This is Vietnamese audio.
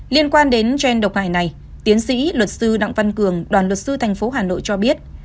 liên quan đến gen độc hại này tiến sĩ luật sư đặng văn cường đoàn luật sư thành phố hà nội cho biết